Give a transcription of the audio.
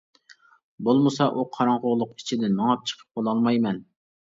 بولمىسا ئۇ قاراڭغۇلۇق ئىچىدىن مېڭىپ چىقىپ بولالمايمەن.